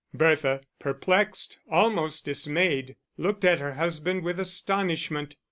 Bertha, perplexed, almost dismayed, looked at her husband with astonishment.